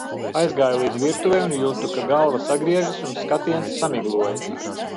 Aizgāju līdz virtuvei un jutu, ka galva sagriežas un skatiens samiglojas.